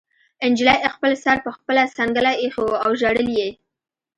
نجلۍ خپل سر په خپله څنګله ایښی و او ژړل یې